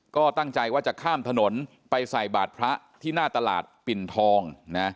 ก็ตั้งใจว่าจะข้ามถนนไปใส่บาทพระที่หน้าตลาดปิ่นทอง